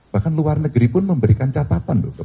bahkan luar negeri pun memberikan catatan loh